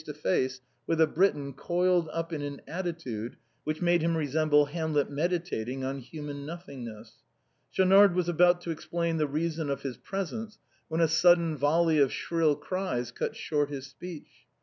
209 face io face with a Briton coiled up in an attitude which made him resemble Hamlet meditating on human noth ingness. Scliaunard was about to explain the reason of his presence, when a sudden volley of shrill cries cut short his speech.